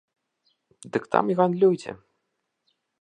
Дык там і гандлюйце!